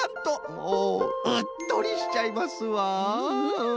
おおうっとりしちゃいますわ。フフフ。